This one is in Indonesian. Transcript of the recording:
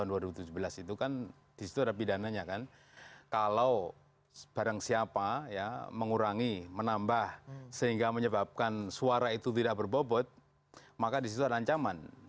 betul karena di pasal lima ratus tiga puluh dua undang undang nomor tujuh tahun dua ribu tujuh belas itu kan di situ ada pidananya kan kalau barang siapa ya mengurangi menambah sehingga menyebabkan suara itu tidak berbobot maka di situ ada ancaman